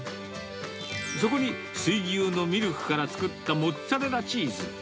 そこに、水牛のミルクから作ったモッツァレラチーズ。